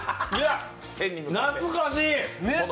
懐かしい！